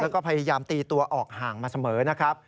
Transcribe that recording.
แล้วก็พยายามตีตัวออกห่างมาเสมอนะครับ